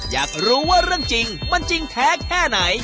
อยากรู้ว่าเรื่องจริงมันจริงแท้แค่ไหน